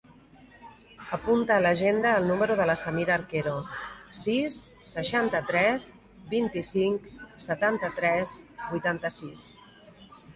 Apunta a l'agenda el número de la Samira Arquero: sis, seixanta-tres, vint-i-cinc, setanta-tres, vuitanta-sis.